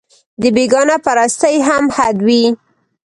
د بېګانه پرستۍ هم حد وي